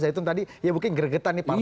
zaitun tadi ya mungkin gregetan nih partai